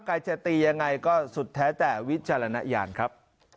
ใครจะตียังไงก็สุดแท้แต่วิจารณญาณครับ